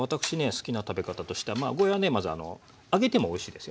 好きな食べ方としてはゴーヤーはねまず揚げてもおいしいですよね。